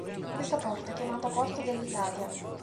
Questa porta è chiamata "Porta dell'Italia".